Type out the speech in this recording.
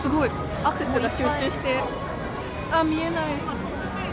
アクセスが集中して、あ、見えない。